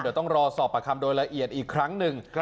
เดี๋ยวต้องรอสอบประคำโดยละเอียดอีกครั้งหนึ่ง